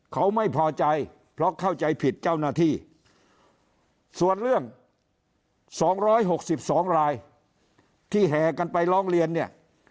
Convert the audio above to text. เขาไม่พอใจเพราะเข้าใจผิดเจ้าหน้าที่ส่วนเรื่อง๒๖๒รายที่แห่กันไปร้องเรียนเนี่ย